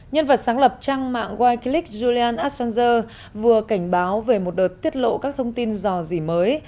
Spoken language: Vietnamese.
nhân vật sáng lập trang mạng wikles julian assanger vừa cảnh báo về một đợt tiết lộ các thông tin dò dỉ mới